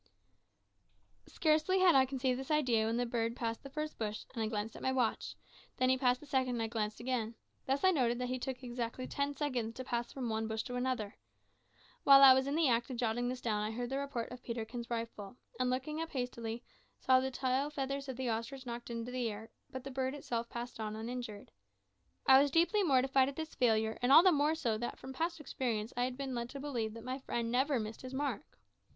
Scarcely had I conceived this idea when the bird passed the first bush, and I glanced at my watch; then he passed the second, and I glanced again. Thus I noted that he took exactly ten seconds to pass from one bush to the other. While I was in the act of jotting this down I heard the report of Peterkin's rifle, and looking up hastily, saw the tail feathers of the ostrich knocked into the air, but the bird itself passed on uninjured. I was deeply mortified at this failure, and all the more so that, from past experience, I had been led to believe that my friend never missed his mark.